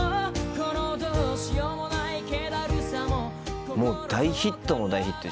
このどうしようもない気だるさももう大ヒットも大ヒットじゃない。